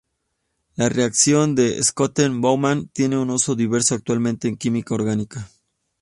La reacción de Schotten–Baumann tiene un uso diverso actualmente en química orgánica.